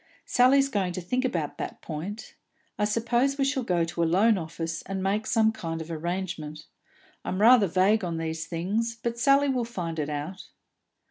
"Sally's going to think about that point. I suppose we shall go to a loan office, and make some kind of arrangement. I'm rather vague on these things, but Sally will find it out."